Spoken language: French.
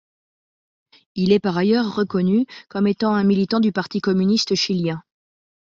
Il est par ailleurs reconnu comme étant un militant du Parti communiste chilien.